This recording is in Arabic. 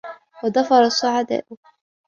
وَظَفَرَ السُّعَدَاءِ